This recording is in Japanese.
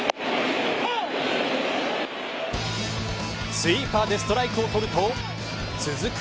スイーパーでストライクを取ると続く